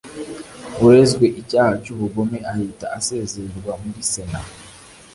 urezwe icyaha cy'ubugome ahita asezererwa muri sena